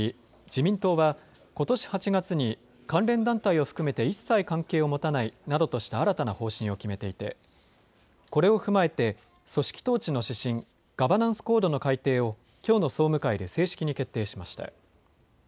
自民党はことし８月に関連団体を含めて一切関係を持たないなどとした新たな方針を決めていてこれを踏まえて組織統治の指針、ガバナンス・コードの改定をきょうの総務会で正式に決定しました。